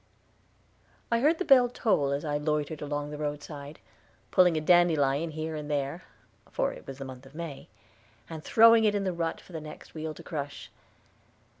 I heard the bell toll as I loitered along the roadside, pulling a dandelion here and there, for it was in the month of May, and throwing it in the rut for the next wheel to crush.